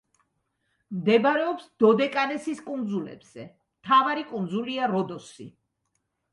მდებარეობს დოდეკანესის კუნძულებზე, მთავარი კუნძულია როდოსი.